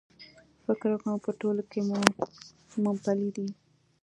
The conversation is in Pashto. فکر کوم په ټولو کې مومپلي دي.H